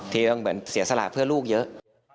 ที่นี่เสียสลาคเพื่อลูกเยอะ